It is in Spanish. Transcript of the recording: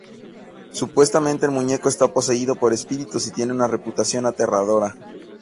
Supuestamente el muñeco está poseído por espíritus, y tiene una reputación aterradora.